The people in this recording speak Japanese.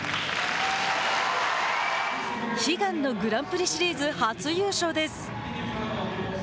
悲願のグランプリシリーズ初優勝です。